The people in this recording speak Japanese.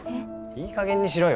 いいかげんにしろよ。